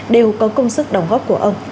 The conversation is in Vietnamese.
đều có công sức đóng góp của ông